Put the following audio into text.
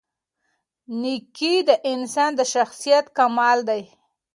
نېکي د انسان د شخصیت کمال دی.